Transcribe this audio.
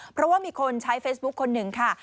เพราะว่ามีคนใช้เฟซบุ๊คคนหนึ่งค่ะ